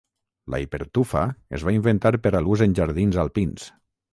La hipertufa es va inventar per a l'ús en jardins alpins.